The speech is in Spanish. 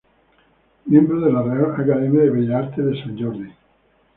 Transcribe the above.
Miembro de la Real Academia de Bellas Artes de Sant Jordi.